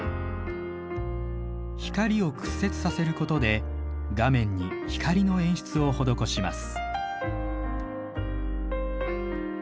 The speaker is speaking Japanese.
光を屈折させることで画面に光の演出を施します。